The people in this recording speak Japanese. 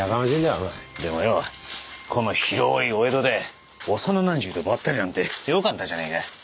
お前でもようこの広いお江戸で幼なじみとばったりなんてよかったじゃねぇか